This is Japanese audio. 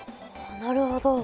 なるほど。